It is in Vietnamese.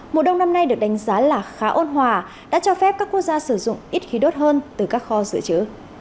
mùa đông năm nay được đánh giá là khá ôn hòa đã cho phép các quốc gia sử dụng ít khí đốt hơn từ các kho dự trữ